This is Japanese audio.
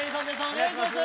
お願いします